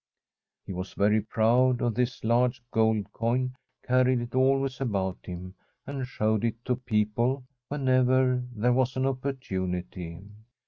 He was very proud of this large gold coin, carried it al ways about him, and showed it to people when ever there was an opportunity.